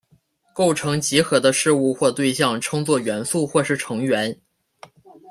构成集合的事物或对象称作元素或是成员。